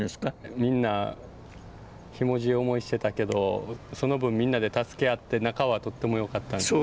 みんなひもじい思いしてたけどその分みんなで助け合って仲はとっても良かったんですか？